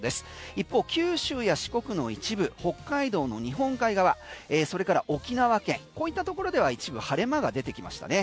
一方九州や四国の一部北海道の日本海側それから沖縄県こういったところでは一部晴れ間が出てきましたね。